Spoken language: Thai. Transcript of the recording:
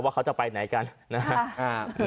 เขาจะไปไหนกันนะครับ